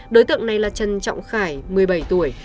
đối tượng này là trần trọng khải một mươi bảy tuổi